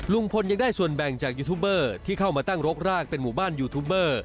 ลุงพลยังได้ส่วนแบ่งจากยูทูบเบอร์ที่เข้ามาตั้งรกรากเป็นหมู่บ้านยูทูบเบอร์